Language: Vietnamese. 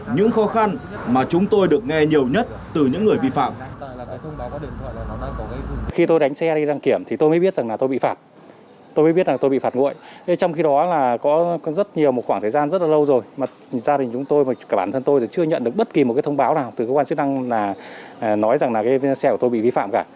những khó khăn mà chúng tôi được nghe nhiều nhất từ những người vi phạm